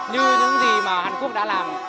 như những gì mà hàn quốc đã làm